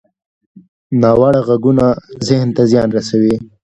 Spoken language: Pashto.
ناوړه غږونه ذهن ته زیان رسوي